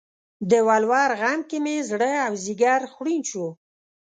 د ولور غم کې مې زړه او ځیګر خوړین شو